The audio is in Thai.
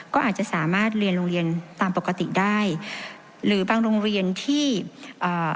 ก็อาจจะสามารถเรียนโรงเรียนตามปกติได้หรือบางโรงเรียนที่อ่า